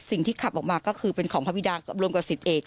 สิ่งที่ขับออกมาก็คือเป็นของภาพวิดารวมกับสิทธิ์เอก